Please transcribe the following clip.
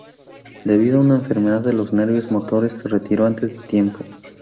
Debido a una enfermedad de los nervios motores, se retiró antes de tiempo.